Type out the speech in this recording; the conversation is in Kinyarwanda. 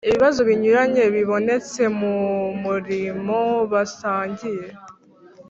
ibibazo binyuranye bibonetse mu murimo basangiye